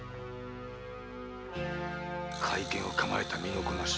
懐剣を構えた身のこなし